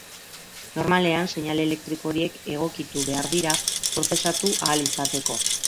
Normalean, seinale elektriko horiek egokitu behar dira prozesatu ahal izateko.